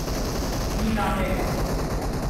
依家咩價?